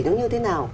như thế nào